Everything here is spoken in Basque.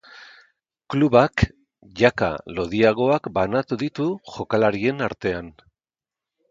Klubak jaka lodiagoak banatu ditu jokalarien artean.